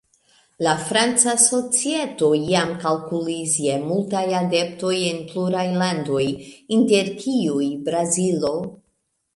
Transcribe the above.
La franca societo jam kalkulis je multaj adeptoj en pluraj landoj, inter kiuj Brazilo.